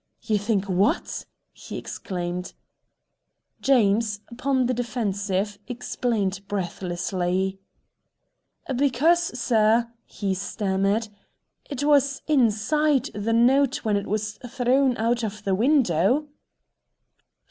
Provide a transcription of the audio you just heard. "You think WHAT!" he exclaimed. James, upon the defensive, explained breathlessly. "Because, Sir," he stammered, "it was INSIDE the note when it was thrown out of the window."